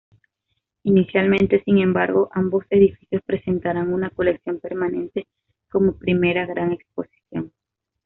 Inicialmente, sin embargo, ambos edificios presentarán una colección permanente como primera gran exposición.